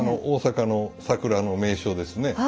大阪の桜の名所ですね。